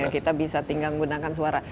kita bisa tinggal gunakan suara